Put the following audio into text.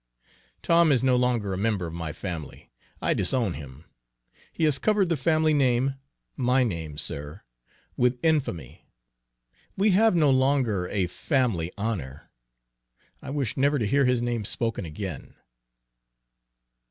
"Tom is no longer a member of my family. I disown him. He has covered the family name my name, sir with infamy. We have no longer a family honor. I wish never to hear his name spoken again!"